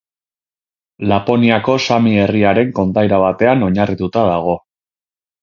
Laponiako sami herriaren kondaira batean oinarritua dago.